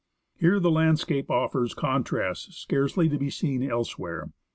Here the landscape offers contrasts scarcely to be seen elsewhere.